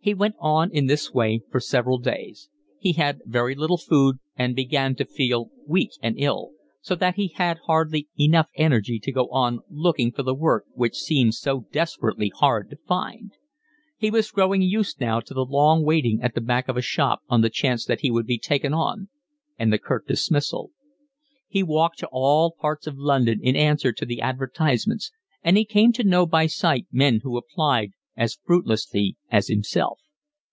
He went on in this way for several days. He had very little food and began to feel weak and ill, so that he had hardly enough energy to go on looking for the work which seemed so desperately hard to find. He was growing used now to the long waiting at the back of a shop on the chance that he would be taken on, and the curt dismissal. He walked to all parts of London in answer to the advertisements, and he came to know by sight men who applied as fruitlessly as himself.